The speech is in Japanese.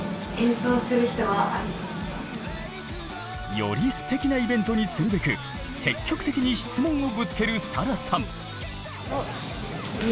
よりすてきなイベントにするべく積極的に質問をぶつけるサラさん。